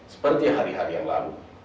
seperti hari hari yang lalu